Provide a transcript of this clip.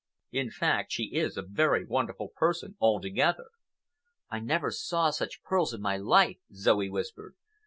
In fact, she is a very wonderful person altogether." "I never saw such pearls in my life," Zoe whispered.